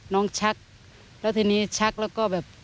ชักแล้วทีนี้ชักแล้วก็แบบ